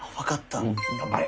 頑張れ！